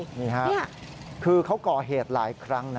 นี่ค่ะคือเขาก่อเหตุหลายครั้งนะ